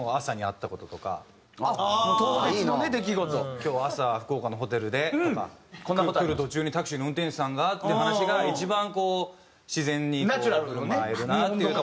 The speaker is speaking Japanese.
「今日朝福岡のホテルで」とか「来る途中にタクシーの運転手さんが」っていう話が一番こう自然に振る舞えるなっていうところに。